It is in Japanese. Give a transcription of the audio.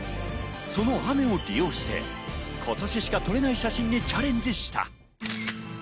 その雨を利用して、今年しか撮れない写真にチャレンジした。